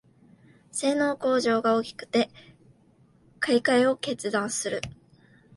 性能向上が大きくて買いかえを決断する